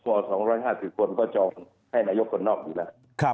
พอ๒๕๐คนก็จองให้นายกคนนอกอยู่แล้ว